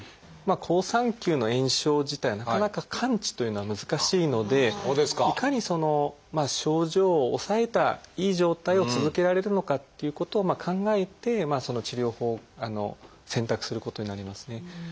好酸球の炎症自体はなかなか完治というのは難しいのでいかにその症状を抑えたいい状態を続けられるのかっていうことを考えて治療法を選択することになりますね。